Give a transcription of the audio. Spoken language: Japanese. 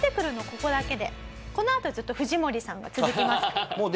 ここだけでこのあとずっと藤森さんが続きますから。